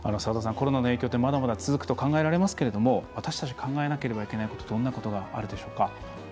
コロナの影響ってまだまだ続くと考えられますが私たち考えなければいけないことどんなことがあるでしょうか？